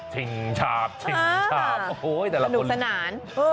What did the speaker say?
จริงจากจริงจากโอ้โหสนุกสนาน